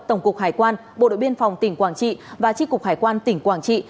tổng cục hải quan bộ đội biên phòng tỉnh quảng trị và tri cục hải quan tỉnh quảng trị